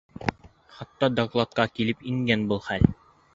Хатта... докладҡа килеп ингән был хәл.